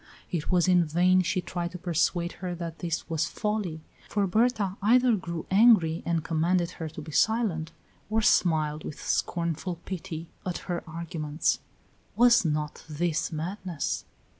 It was in vain she tried to persuade her that this was folly, for Berta either grew angry and commanded her to be silent, or smiled with scornful pity at her arguments. Was not this madness?